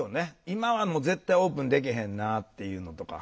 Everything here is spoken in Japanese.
今はもう絶対オープンでけへんなっていうのとか。